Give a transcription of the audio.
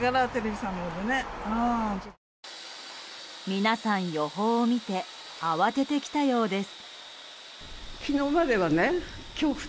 皆さん予報を見て慌てて来たようです。